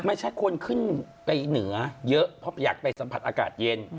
ไม่ใช่คนขึ้นไปเหนือเยอะเพราะอยากไปสัมผัสอากาศเย็น